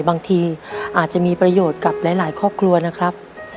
บางทีอาจจะมีประโยชน์กับหลายครอบครัวนะครับ